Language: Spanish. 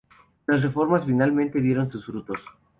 Las reformas finalmente dieron sus frutos.